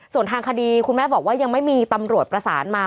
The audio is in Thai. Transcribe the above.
ส่วนทางคดีคุณแม่บอกว่ายังไม่มีตำรวจประสานมา